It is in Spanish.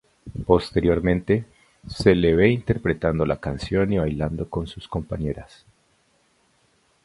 Posteriormente, se le ve interpretando la canción y bailando con sus compañeras.